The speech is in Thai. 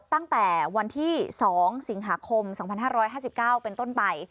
ตั้งแต่วันที่๒สิงหาคม๒๕๕๙เป็นต้นไป